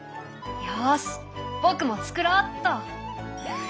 よし僕もつくろうっと。